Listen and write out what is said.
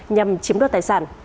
nhằm chiếm đoạt tài sản